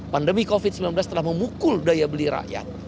pandemi covid sembilan belas telah memukul daya beli rakyat